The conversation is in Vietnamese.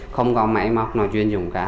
không có máy móc nào chuyên dùng cả